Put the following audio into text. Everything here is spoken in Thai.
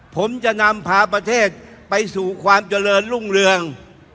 ผมจะนำพาประเทศไปสู่ความเจริญรุ่งเรือง